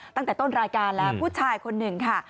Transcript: ตั้งแต่ต้นรายการแล้วผู้ชายคนหนึ่งค่ะ